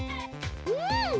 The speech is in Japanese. うん！